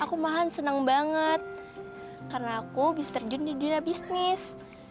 aku mahan senang banget karena aku bisa terjun di dunia bisnis